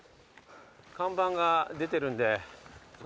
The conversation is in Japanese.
看板が出てるんで。